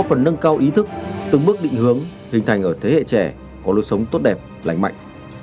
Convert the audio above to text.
phần nâng cao ý thức từng bước định hướng hình thành ở thế hệ trẻ có lối sống tốt đẹp lành mạnh